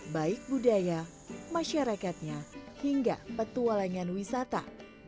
baik budaya masyarakatnya hingga petualangan wisata